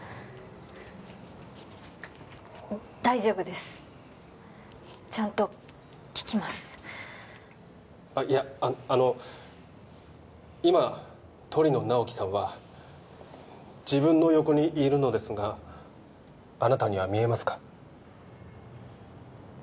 大丈夫ですちゃんと聞きますあっいやあの今鳥野直木さんは自分の横にいるのですがあなたには見えますか？